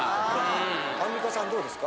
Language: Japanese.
アンミカさんどうですか？